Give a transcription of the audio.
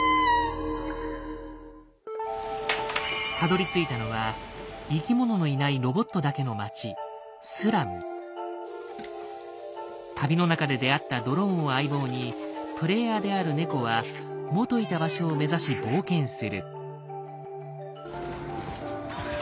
たどりついたのは生き物のいない旅の中で出会ったドローンを相棒にプレイヤーである猫は元いた場所を目指し冒険する。